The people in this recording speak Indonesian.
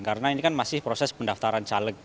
karena ini kan masih proses pendaftaran caleg